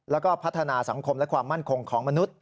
แล้วก็พัฒนาสังคมและความมั่นคงของมนุษย